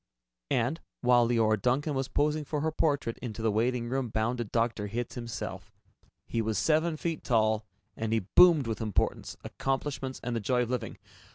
And, while Leora Duncan was posing for her portrait, into the waitingroom bounded Dr. Hitz himself. He was seven feet tall, and he boomed with importance, accomplishments, and the joy of living.